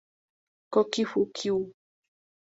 Koki Fukui